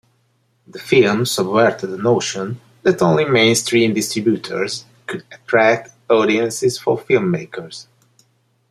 The film subverted a notion that only mainstream distributors could attract audiences for filmmakers.